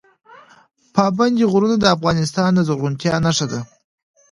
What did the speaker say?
پابندی غرونه د افغانستان د زرغونتیا نښه ده.